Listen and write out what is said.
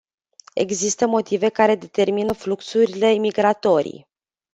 Există motive care determină fluxurile migratorii.